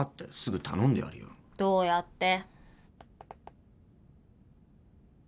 どうやって？